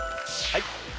はい。